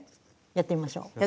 やってみましょう。